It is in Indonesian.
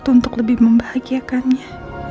untuk lebih membahagiakannya